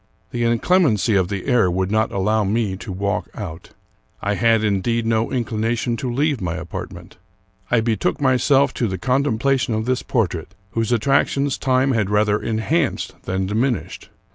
The inclemency of the air would not allow me to walk out. I had, indeed, no inclination to leave my apartment. I betook myself to the contempla tion of this portrait, whose attractions time had rather enhanced than diminished.